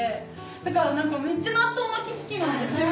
だからめっちゃ納豆巻き好きなんですよ。